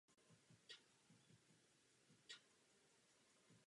Se všemi si povídá o svém životě.